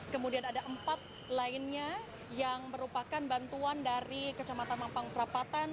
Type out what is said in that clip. kemudian ada empat lainnya yang merupakan bantuan dari kecamatan mampang perapatan